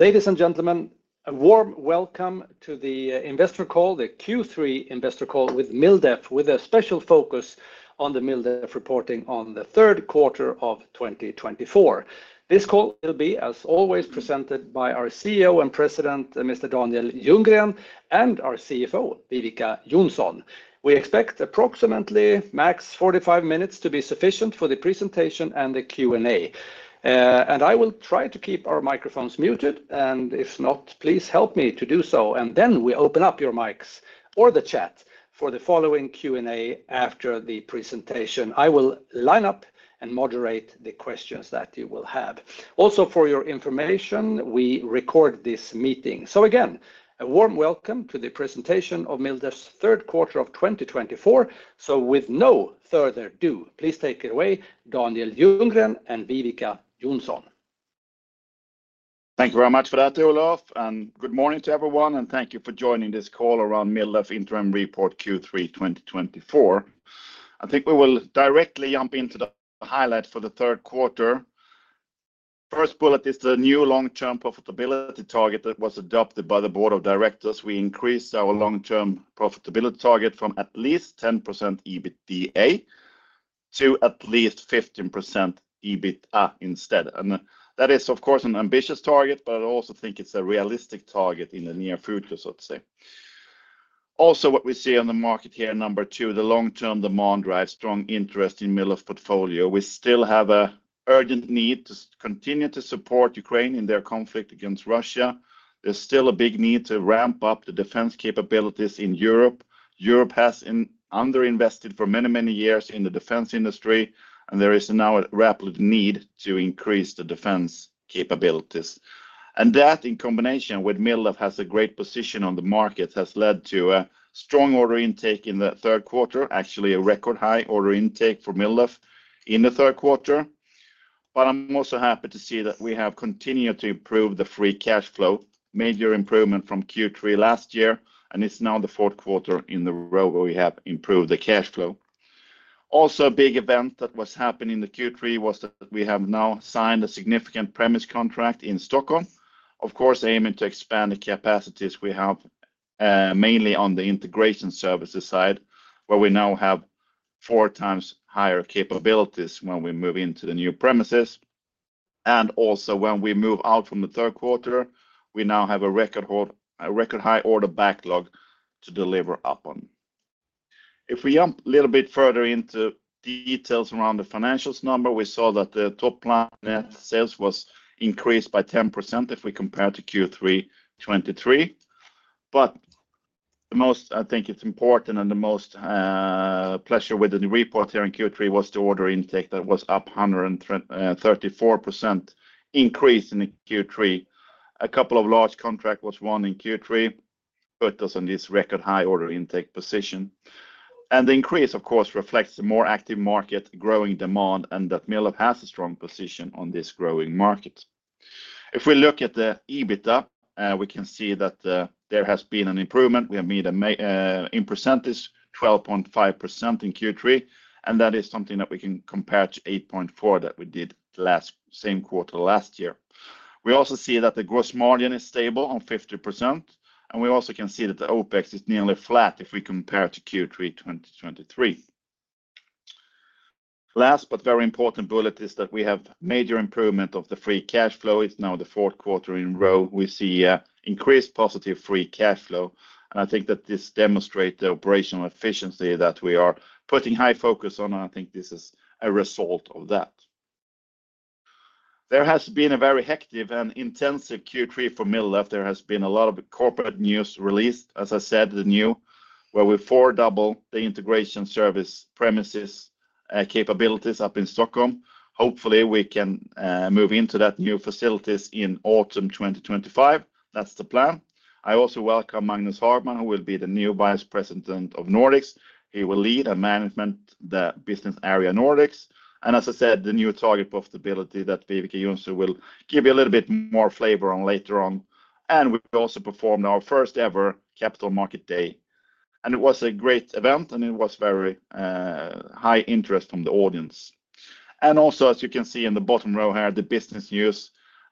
Ladies and gentlemen, a warm welcome to the investor call, the Q3 investor call with MilDef, with a special focus on the MilDef reporting on the third quarter of twenty twenty-four. This call will be, as always, presented y our CEO and President, Mr. Daniel Ljunggren, and our CFO, Viveca Johnsson. We expect approximately max forty-five minutes to be sufficient for the presentation and the Q&A. And I will try to keep our microphones muted, and if not, please help me to do so. And then we open up your mics or the chat for the following Q&A after the presentation. I will line up and moderate the questions that you will have. Also, for your information, we record this meeting. So again, a warm welcome to the presentation of MilDef's third quarter of twenty twenty-four. So with no further ado, please take it away, Daniel Ljunggren and Viveca Johnsson. Thank you very much for that, Olof, and good morning to everyone, and thank you for joining this call around MilDef Interim Report Q3 2024. I think we will directly jump into the highlight for the third quarter. First bullet is the new long-term profitability target that was adopted by the board of directors. We increased our long-term profitability target from at least 10% EBITDA to at least 15% EBITDA instead. And that is, of course, an ambitious target, but I also think it's a realistic target in the near future, so to say. Also, what we see on the market here, number two, the long-term demand drive, strong interest in MilDef portfolio. We still have an urgent need to continue to support Ukraine in their conflict against Russia. There's still a big need to ramp up the defense capabilities in Europe. Europe has in... Underinvested for many, many years in the defense industry, and there is now a rapid need to increase the defense capabilities. And that, in combination with MilDef, has a great position on the market, has led to a strong order intake in the third quarter, actually a record high order intake for MilDef in the third quarter. But I'm also happy to see that we have continued to improve the free cash flow, major improvement from Q3 last year, and it's now the fourth quarter in a row where we have improved the cash flow. Also, a big event that was happening in the Q3 was that we have now signed a significant premises contract in Stockholm, of course, aiming to expand the capacities we have, mainly on the integration services side, where we now have four times higher capabilities when we move into the new premises. Also when we move out from the third quarter, we now have a record high, a record high order backlog to deliver up on. If we jump a little bit further into details around the financials number, we saw that the top line net sales was increased by 10% if we compare to Q3 2023. But the most, I think it's important and the most pleasure with the report here in Q3 was the order intake. That was up a hundred and thirty-four percent increase in the Q3. A couple of large contract was won in Q3, put us on this record high order intake position. And the increase, of course, reflects the more active market, growing demand, and that MilDef has a strong position on this growing market. If we look at the EBITDA, we can see that there has been an improvement. We have made a margin in percentage, 12.5% in Q3, and that is something that we can compare to 8.4% that we did last, same quarter last year. We also see that the gross margin is stable on 50%, and we also can see that the OpEx is nearly flat if we compare to Q3 2023. Last, but very important bullet, is that we have major improvement of the free cash flow. It's now the fourth quarter in a row. We see increased positive free cash flow, and I think that this demonstrate the operational efficiency that we are putting high focus on, and I think this is a result of that. There has been a very hectic and intensive Q3 for MilDef. There has been a lot of corporate news released, as I said, the new, where we quadruple the integration service premises capabilities up in Stockholm. Hopefully, we can move into that new facilities in autumn 2025. That's the plan. I also welcome Magnus Hodman, who will be the new Vice President of Nordics. He will lead and manage the business area, Nordics. As I said, the new target profitability that Viveca Johnsson will give you a little bit more flavor on later on. We also performed our first ever Capital Markets Day, and it was a great event, and it was very high interest from the audience. Also, as you can see in the bottom row here, the business news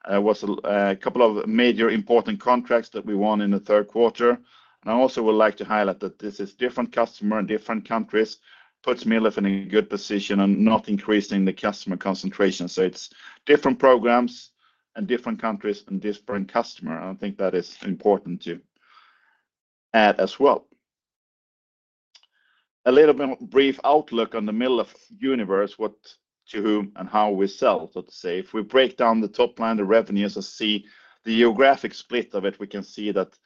was a couple of major important contracts that we won in the third quarter. I also would like to highlight that this is different customer, different countries, puts MilDef in a good position and not increasing the customer concentration. It's different programs and different countries and different customer. I think that is important to add as well. A little bit brief outlook on the MilDef universe, what, to whom, and how we sell, let's say. If we break down the top line, the revenues, and see the geographic split of it, we can see that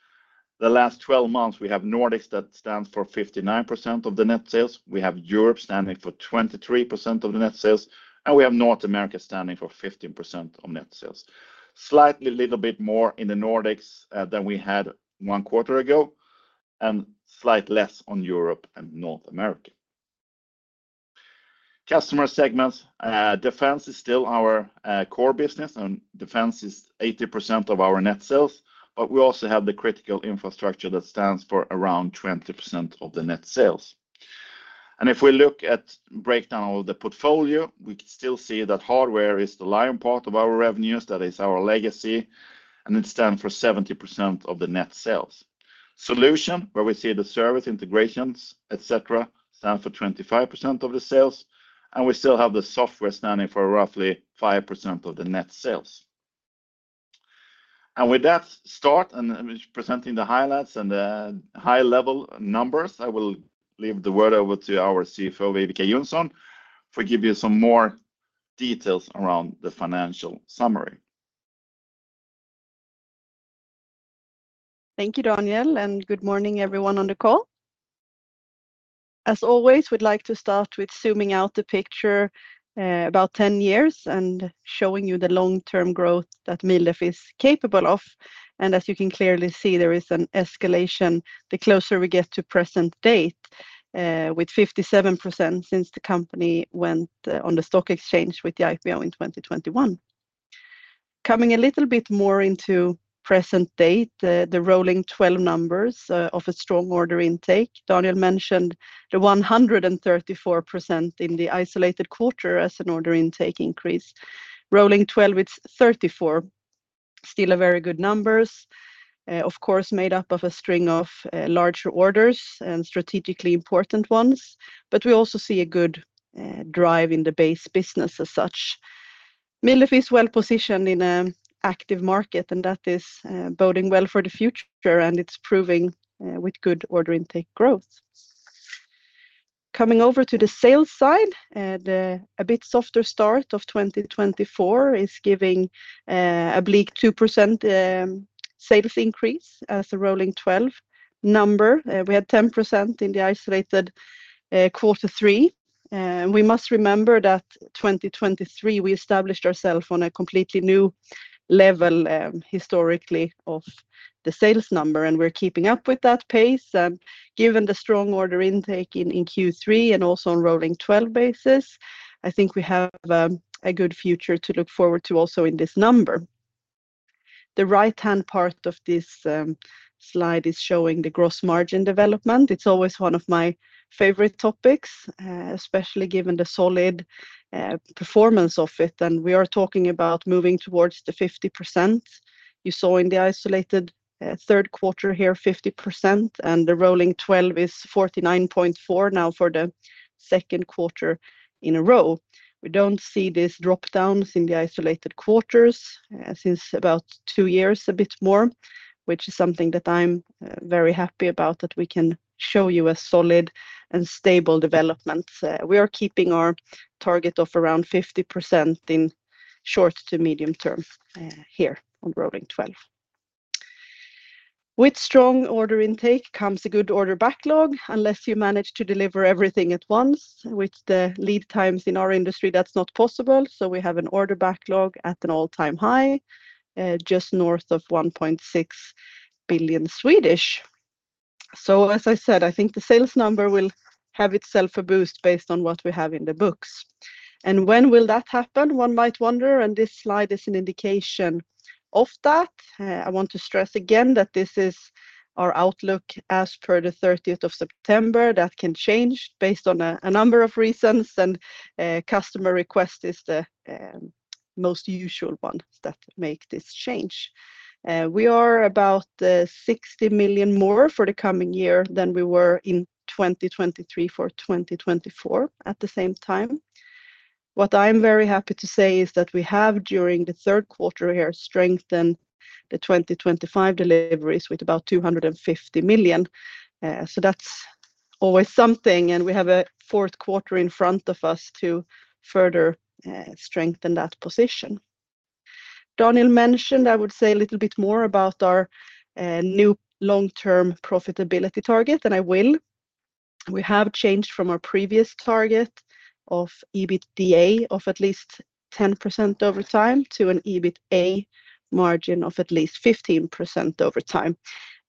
the last 12 months, we have Nordics that stands for 59% of the net sales. We have Europe standing for 23% of the net sales, and we have North America standing for 15% of net sales. Slightly, little bit more in the Nordics than we had one quarter ago, and slight less on Europe and North America. Customer segments. Defense is still our core business, and defense is 80% of our net sales, but we also have the critical infrastructure that stands for around 20% of the net sales. If we look at breakdown of the portfolio, we can still see that hardware is the lion part of our revenues. That is our legacy, and it stand for 70% of the net sales. Solution, where we see the service integrations, et cetera, stand for 25% of the sales, and we still have the software standing for roughly 5% of the net sales. With that start and presenting the highlights and the high-level numbers, I will leave the word over to our CFO, Viveca Johnsson, to give you some more details around the financial summary. Thank you, Daniel, and good morning everyone on the call. As always, we'd like to start with zooming out the picture about ten years and showing you the long-term growth that MilDef is capable of. As you can clearly see, there is an escalation the closer we get to present date with 57% since the company went on the stock exchange with the IPO in 2021. Coming a little bit more into present date, the rolling twelve numbers of a strong order intake. Daniel mentioned the 134% in the isolated quarter as an order intake increase. Rolling twelve, it's 34, still a very good numbers, of course, made up of a string of larger orders and strategically important ones. But we also see a good drive in the base business as such. MilDef is well positioned in an active market, and that is boding well for the future, and it's proving with good order intake growth. Coming over to the sales side, the a bit softer start of twenty twenty-four is giving a bleak 2% sales increase as a rolling twelve number. We had 10% in the isolated quarter three. We must remember that twenty twenty-three, we established ourselves on a completely new level historically of the sales number, and we're keeping up with that pace. And given the strong order intake in Q3 and also on rolling twelve basis, I think we have a good future to look forward to also in this number. The right-hand part of this slide is showing the gross margin development. It's always one of my favorite topics, especially given the solid performance of it, and we are talking about moving towards the 50%. You saw in the isolated third quarter here, 50%, and the rolling twelve is 49.4% now for the second quarter in a row. We don't see this drop down in the isolated quarters since about two years, a bit more, which is something that I'm very happy about, that we can show you a solid and stable development. We are keeping our target of around 50% in short to medium term here on rolling twelve. With strong order intake comes a good order backlog, unless you manage to deliver everything at once, with the lead times in our industry, that's not possible. So we have an order backlog at an all-time high, just north of 1.6 billion. So, as I said, I think the sales number will have itself a boost based on what we have in the books. And when will that happen? One might wonder, and this slide is an indication of that. I want to stress again that this is our outlook as per the thirtieth of September. That can change based on a number of reasons, and a customer request is the most usual one that make this change. We are about 60 million more for the coming year than we were in 2023 for 2024 at the same time. What I'm very happy to say is that we have, during the third quarter here, strengthened the 2025 deliveries with about 250 million. So that's always something, and we have a fourth quarter in front of us to further strengthen that position. Daniel mentioned, I would say a little bit more about our new long-term profitability target, and I will. We have changed from our previous target of EBITDA of at least 10% over time to an EBITA margin of at least 15% over time.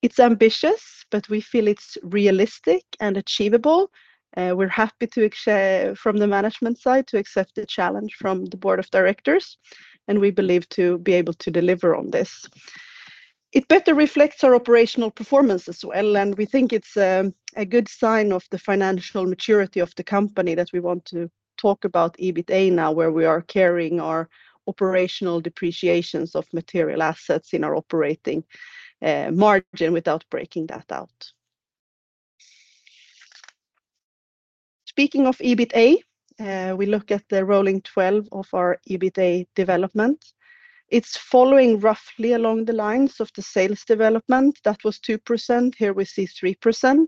It's ambitious, but we feel it's realistic and achievable. We're happy to accept, from the management side, to accept the challenge from the board of directors, and we believe to be able to deliver on this. It better reflects our operational performance as well, and we think it's a good sign of the financial maturity of the company, that we want to talk about EBITA now, where we are carrying our operational depreciations of material assets in our operating margin without breaking that out. Speaking of EBITA, we look at the rolling twelve of our EBITA development. It's following roughly along the lines of the sales development. That was 2%. Here we see 3%.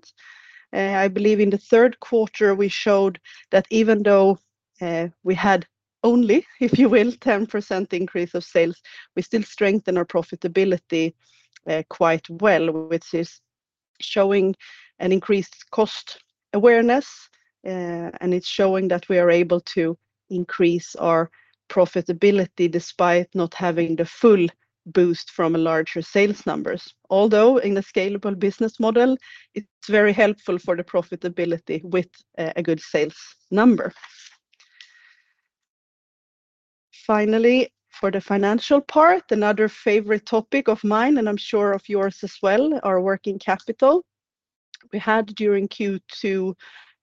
I believe in the third quarter, we showed that even though we had only, if you will, 10% increase of sales, we still strengthen our profitability quite well, which is showing an increased cost awareness, and it's showing that we are able to increase our profitability despite not having the full boost from a larger sales numbers. Although, in the scalable business model, it's very helpful for the profitability with a good sales number. Finally, for the financial part, another favorite topic of mine, and I'm sure of yours as well, our working capital. We had, during Q2,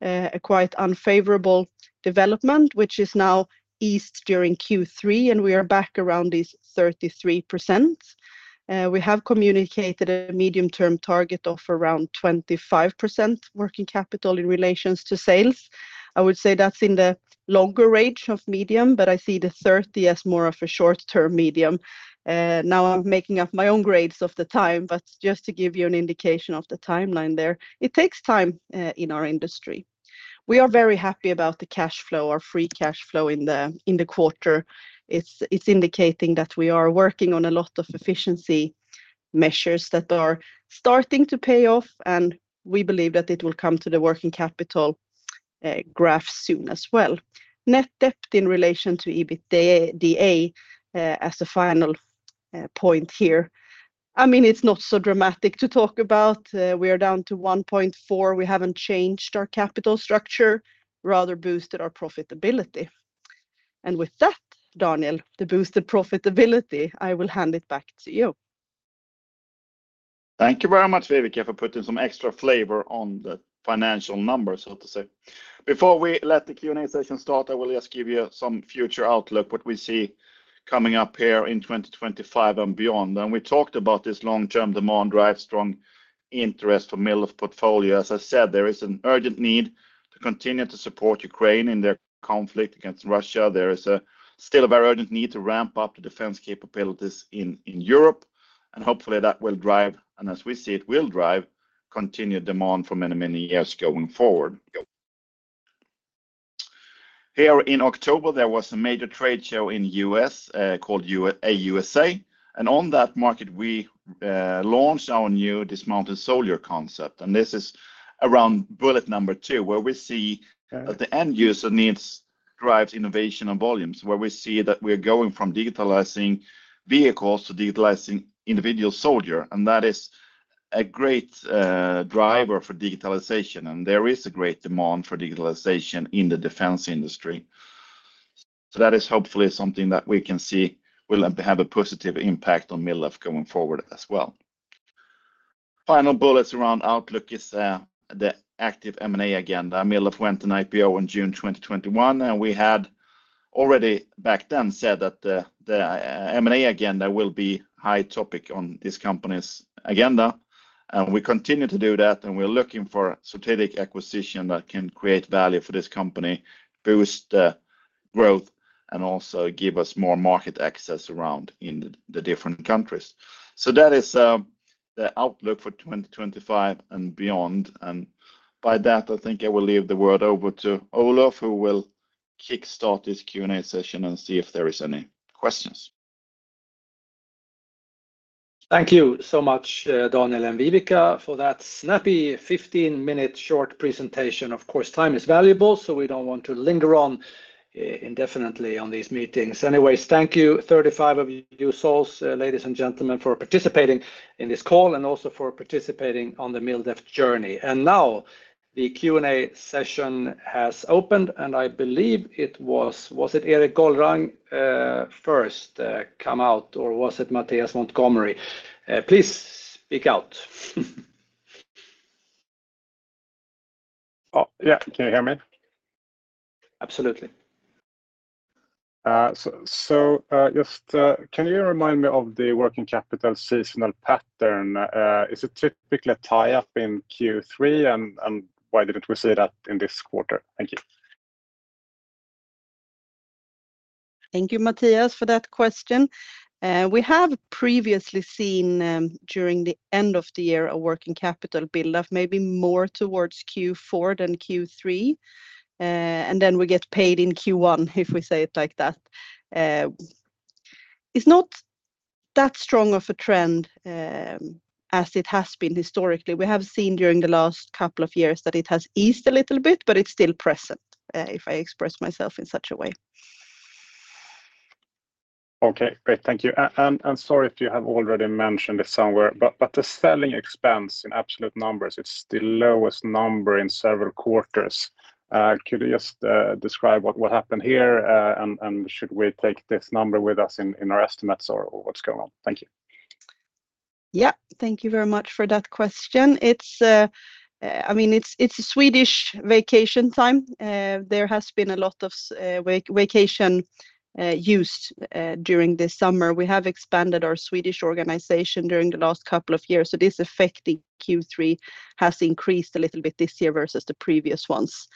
a quite unfavorable development, which is now eased during Q3, and we are back around these 33%. We have communicated a medium-term target of around 25% working capital in relation to sales. I would say that's in the longer range of medium, but I see the thirty as more of a short-term medium. Now I'm making up my own grades of the time, but just to give you an indication of the timeline there, it takes time in our industry. We are very happy about the cash flow or free cash flow in the quarter. It's, it's indicating that we are working on a lot of efficiency measures that are starting to pay off, and we believe that it will come to the working capital graph soon as well. Net debt in relation to EBITDA, as a final point here, I mean, it's not so dramatic to talk about. We are down to one point four. We haven't changed our capital structure, rather boosted our profitability. And with that, Daniel, to boost the profitability, I will hand it back to you. Thank you very much, Viveca, for putting some extra flavor on the financial numbers, so to say. Before we let the Q&A session start, I will just give you some future outlook, what we see coming up here in twenty twenty-five and beyond. And we talked about this long-term demand drive, strong interest for middle of portfolio. As I said, there is an urgent need to continue to support Ukraine in their conflict against Russia. There is still a very urgent need to ramp up the defense capabilities in Europe, and hopefully that will drive, and as we see it, will drive, continued demand for many, many years going forward. Here in October, there was a major trade show in U.S., called AUSA, and on that market, we launched our new Dismounted Soldier concept. And this is around bullet number two, where we see that the end user needs drives innovation and volumes, where we see that we're going from digitalizing vehicles to digitalizing individual soldier. And that is a great driver for digitalization, and there is a great demand for digitalization in the defense industry. So that is hopefully something that we can see will have a positive impact on MilDef going forward as well. Final bullets around outlook is the active M&A agenda. MilDef went an IPO in June 2021, and we had already back then said that the, the, M&A agenda will be high topic on this company's agenda, and we continue to do that, and we're looking for strategic acquisition that can create value for this company, boost the growth, and also give us more market access around in the different countries. So that is the outlook for twenty twenty-five and beyond. And by that, I think I will leave the word over to Olof, who will kickstart this Q&A session and see if there is any questions. Thank you so much, Daniel and Viveca, for that snappy fifteen-minute short presentation. Of course, time is valuable, so we don't want to linger on indefinitely on these meetings. Anyways, thank you, thirty-five of you souls, ladies and gentlemen, for participating in this call and also for participating on the MilDef journey. Now the Q&A session has opened, and I believe it was... Was it Erik Golrang first come out, or was it? Please speak out. Oh, yeah. Can you hear me? Absolutely. So, just can you remind me of the working capital seasonal pattern? Is it typically a tie-up in Q3, and why didn't we see that in this quarter? Thank you. Thank you, Matthias, for that question. We have previously seen, during the end of the year, a working capital build up, maybe more towards Q4 than Q3, and then we get paid in Q1, if we say it like that. It's not that strong of a trend, as it has been historically. We have seen during the last couple of years that it has eased a little bit, but it's still present, if I express myself in such a way. Okay, great. Thank you. And sorry if you have already mentioned it somewhere, but the selling expense in absolute numbers, it's the lowest number in several quarters. Could you just describe what happened here, and should we take this number with us in our estimates, or what's going on? Thank you. Yeah, thank you very much for that question. It's, I mean, it's a Swedish vacation time. There has been a lot of vacation used during this summer. We have expanded our Swedish organization during the last couple of years, so this effect in Q3 has increased a little bit this year versus the previous ones.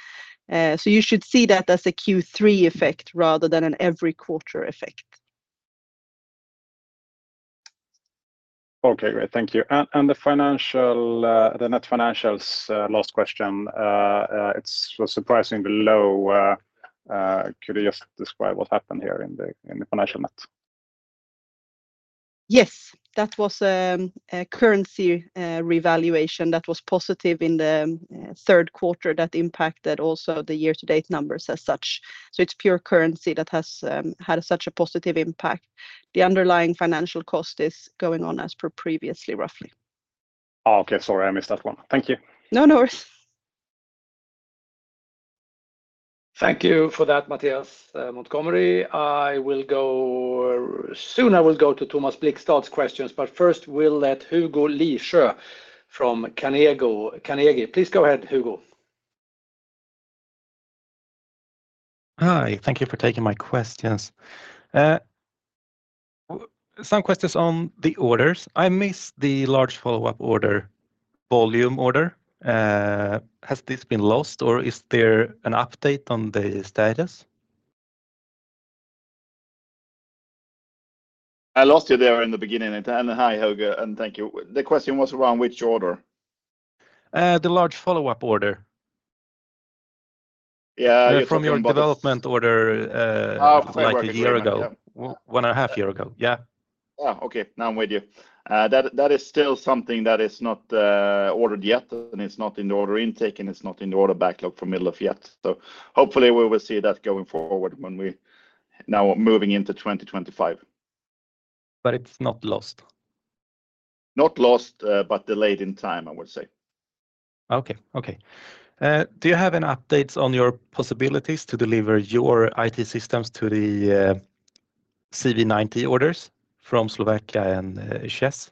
So you should see that as a Q3 effect rather than an every quarter effect. Okay, great. Thank you. And the financial, the net financials, last question, it's surprisingly low. Could you just describe what happened here in the financial net? Yes. That was a currency revaluation that was positive in the third quarter. That impacted also the year-to-date numbers as such. So it's pure currency that has had such a positive impact. The underlying financial cost is going on as per previously, roughly. Okay, sorry, I missed that one. Thank you. No, no worries. ... Thank you for that, Matthias Montgomery. Soon I will go to Thomas Blickstad's questions, but first, we'll let Hugo Lilja from Carnegie. Carnegie, please go ahead, Hugo. Hi, thank you for taking my questions. Some questions on the orders. I missed the large follow-up order, volume order. Has this been lost, or is there an update on the status? I lost you there in the beginning. Hi, Hugo, and thank you. The question was around which order? The large follow-up order. Yeah. From your development order, like a year ago. Oh, okay. One and a half year ago. Yeah. Oh, okay. Now I'm with you. That is still something that is not ordered yet, and it's not in the order intake, and it's not in the order backlog for MilDef yet. So hopefully we will see that going forward when we now moving into twenty twenty-five. But it's not lost? Not lost, but delayed in time, I would say. Okay. Okay. Do you have any updates on your possibilities to deliver your IT systems to the CV90 orders from Slovakia and Czech?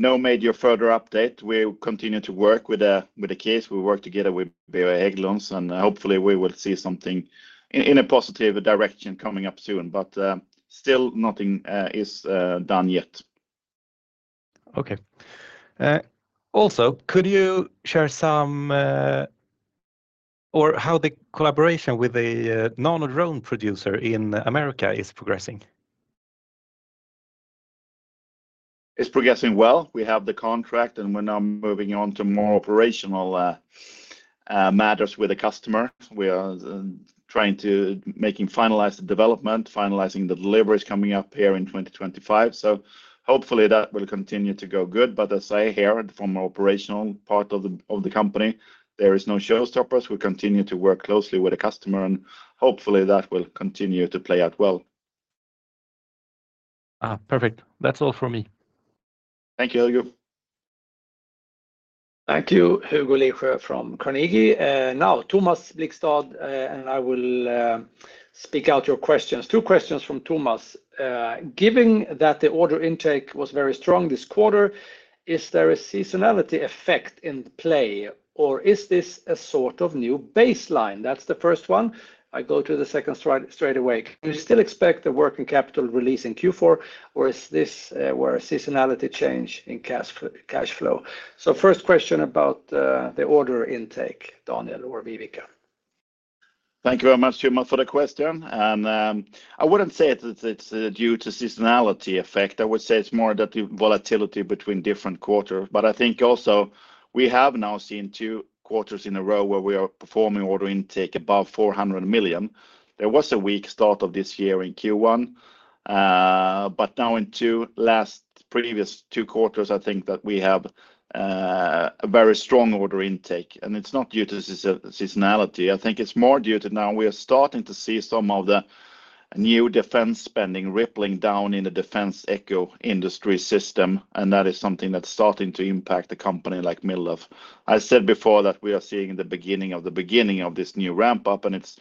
No major further update. We continue to work with the case. We work together with Hägglunds, and hopefully we will see something in a positive direction coming up soon, but still nothing is done yet. Okay. Also, could you share some, or how the collaboration with the nano drone producer in America is progressing? It's progressing well. We have the contract, and we're now moving on to more operational matters with the customer. We are trying to making finalized the development, finalizing the deliveries coming up here in 2025. So hopefully that will continue to go good, but as I hear from operational part of the company, there is no showstoppers. We continue to work closely with the customer, and hopefully that will continue to play out well. Ah, perfect. That's all for me. Thank you, Hugo. Thank you, Hugo Lilja from Carnegie. Now, Thomas Blicktad, and I will speak out your questions. Two questions from Thomas. Given that the order intake was very strong this quarter, is there a seasonality effect in play, or is this a sort of new baseline? That's the first one. I go to the second straight away. Do you still expect the working capital release in Q4, or is this where a seasonality change in cash flow? So first question about the order intake, Daniel or Viveca. Thank you very much, Thomas, for the question. I wouldn't say it's due to seasonality effect. I would say it's more that the volatility between different quarters. But I think also we have now seen two quarters in a row where we are performing order intake above 400 million. There was a weak start of this year in Q1, but now in the last two previous quarters, I think that we have a very strong order intake, and it's not due to seasonality. I think it's more due to now we are starting to see some of the new defense spending rippling down in the defense ecosystem, and that is something that's starting to impact a company like MilDef. I said before that we are seeing the beginning of the beginning of this new ramp up, and it's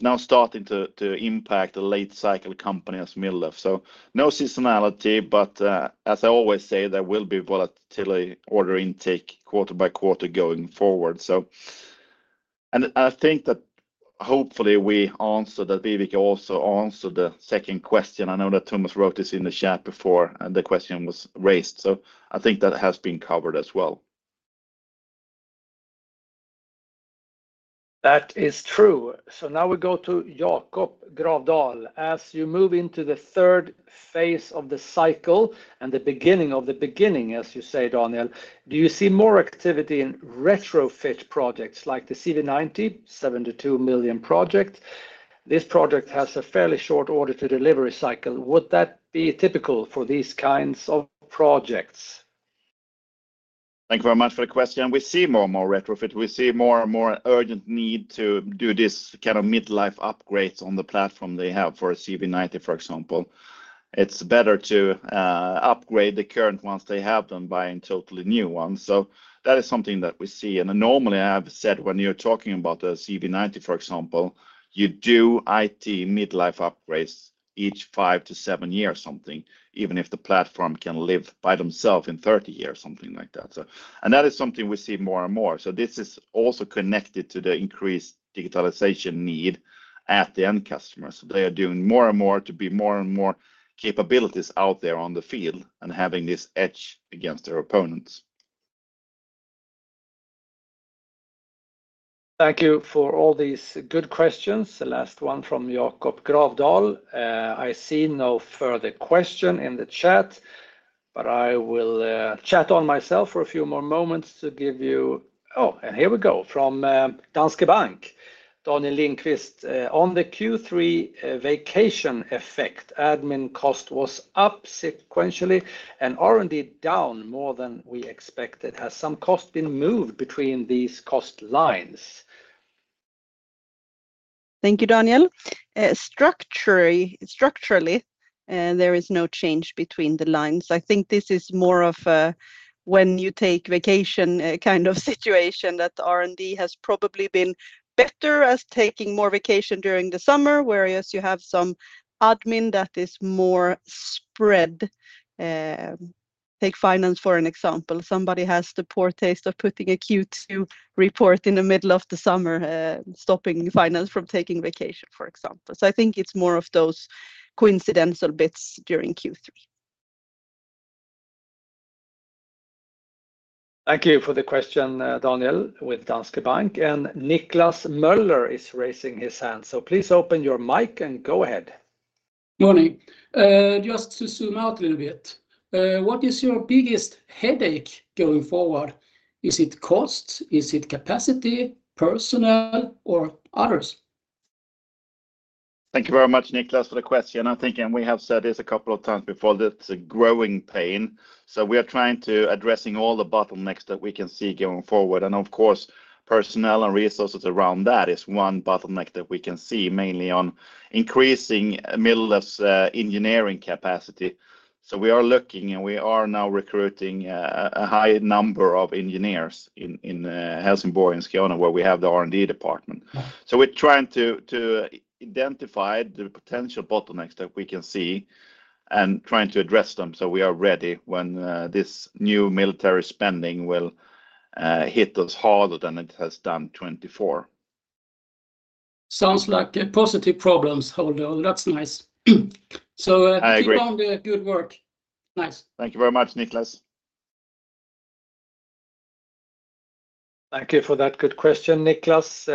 now starting to impact the late cycle company as MilDef. So no seasonality, but as I always say, there will be volatility order intake quarter by quarter going forward. So, and I think that hopefully we answer, that Viveca also answer the second question. I know that Thomas wrote this in the chat before, and the question was raised, so I think that has been covered as well. That is true. So now we go to Jacob Gravdal. As you move into the phase III of the cycle and the beginning of the beginning, as you say, Daniel, do you see more activity in retrofit projects like the CV90, 72 million project? This project has a fairly short order to delivery cycle. Would that be typical for these kinds of projects? Thank you very much for the question. We see more and more retrofit. We see more and more urgent need to do this kind of mid-life upgrades on the platform they have for a CV90, for example. It's better to upgrade the current ones they have than buying totally new ones. So that is something that we see, and normally, I have said, when you're talking about the CV90, for example, you do IT mid-life upgrades each five to seven years, something, even if the platform can live by themselves in thirty years, something like that. So... and that is something we see more and more, so this is also connected to the increased digitalization need at the end customer. So they are doing more and more to be more and more capabilities out there on the field and having this edge against their opponents. Thank you for all these good questions, the last one from Jacob Gravdal. I see no further question in the chat, but I will chat on myself for a few more moments to give you- oh, and here we go, from Danske Bank, Tony Lindquist. On the Q3 vacation effect, admin cost was up sequentially and R&D down more than we expected. Has some cost been moved between these cost lines?... Thank you, Daniel. Structurally, there is no change between the lines. I think this is more of, when you take vacation, kind of situation that R&D has probably been better as taking more vacation during the summer, whereas you have some admin that is more spread. Take finance for an example. Somebody has the poor taste of putting a Q2 report in the middle of the summer, stopping finance from taking vacation, for example. So I think it's more of those coincidental bits during Q3. Thank you for the question, Daniel, with Danske Bank, and Niklas Möller is raising his hand. So please open your mic and go ahead. Morning. Just to zoom out a little bit, what is your biggest headache going forward? Is it cost? Is it capacity, personnel, or others? Thank you very much, Niklas, for the question. I think, and we have said this a couple of times before, that it's a growing pain, so we are trying to addressing all the bottlenecks that we can see going forward. Of course, personnel and resources around that is one bottleneck that we can see, mainly on increasing MilDef's engineering capacity. So we are looking, and we are now recruiting a high number of engineers in Helsingborg and Skåne, where we have the R&D department. So we're trying to identify the potential bottlenecks that we can see and trying to address them, so we are ready when this new military spending will hit us harder than it has done 2024. Sounds like positive problems, however. That's nice. I agree. So keep on the good work. Nice. Thank you very much, Niklas. Thank you for that good question, Niklas.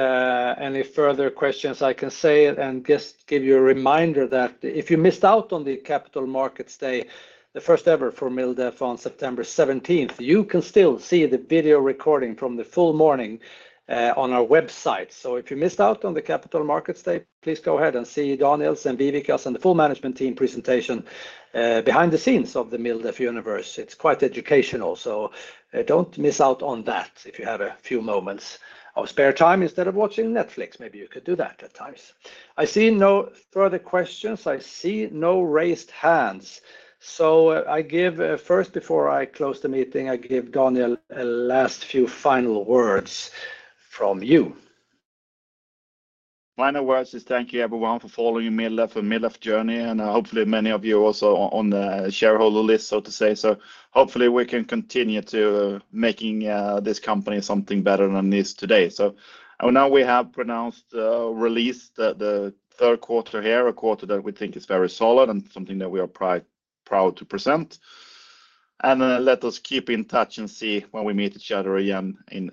Any further questions? I can see it, and just give you a reminder that if you missed out on the Capital Markets Day, the first ever for MilDef on September seventeenth, you can still see the video recording from the full morning on our website. So if you missed out on the Capital Markets Day, please go ahead and see Daniel's and Viveca's and the full management team presentation behind the scenes of the MilDef universe. It's quite educational, so don't miss out on that if you have a few moments of spare time. Instead of watching Netflix, maybe you could do that at times. I see no further questions. I see no raised hands, so I give... First, before I close the meeting, I give Daniel a last few final words from you. Final words is thank you everyone for following MilDef and MilDef journey, and hopefully many of you are also on the shareholder list, so to say. So hopefully, we can continue to making this company something better than it is today. And now we have released the third quarter here, a quarter that we think is very solid and something that we are proud to present. And let us keep in touch and see when we meet each other again in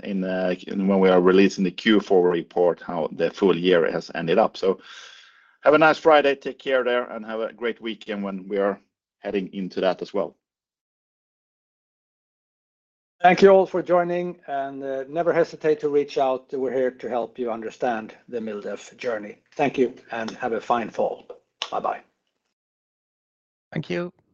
when we are releasing the Q4 report, how the full year has ended up. Have a nice Friday. Take care there, and have a great weekend when we are heading into that as well. Thank you all for joining, and never hesitate to reach out. We're here to help you understand the MilDef journey. Thank you, and have a fine fall. Bye-bye. Thank you.